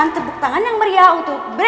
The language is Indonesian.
untuk semua orang yang sudah ulang moga berjaya